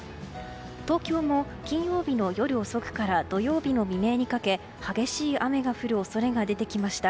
東京も金曜日の夜遅くから土曜日の未明にかけ激しい雨が降る恐れが出てきました。